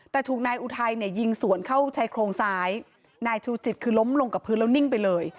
แต่ถูกนายอุทัยเนี่ยยิงสวนเข้าชายโครงซ้ายนายชูจิตคือล้มลงกับพื้นแล้วนิ่งไปเลย